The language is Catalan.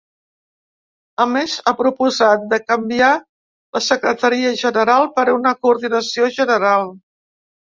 A més, ha proposat de canviar la secretaria general per una coordinació general.